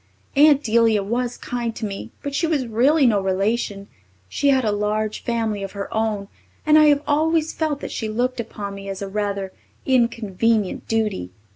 Aunt Delia was kind to me, but she was really no relation, she had a large family of her own, and I have always felt that she looked upon me as a rather inconvenient duty.